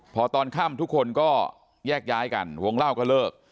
พอตอนค่ำทุกคนก็แยกย้ายกันวงเล่าก็เลิก